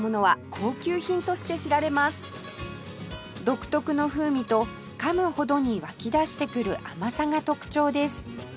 独特の風味とかむほどに湧き出してくる甘さが特徴です